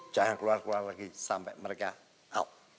jangan keluar keluar lagi sampai mereka out